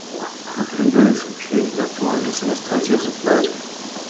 Aprendió a conducir automóviles en la estancia de su padre, en Balcarce.